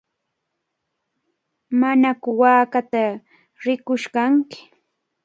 ¿Manaku waakata rirqush kanki?